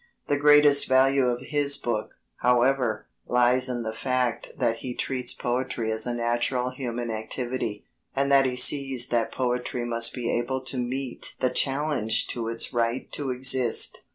The greatest value of his book, however, lies in the fact that he treats poetry as a natural human activity, and that he sees that poetry must be able to meet the challenge to its right to exist.